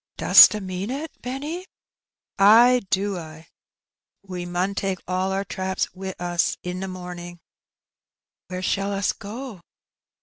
"Dost 'a mean it, Benny?" "Ay do I. We mun take all our traps wi' us i' t' morning." "Where shall us go?"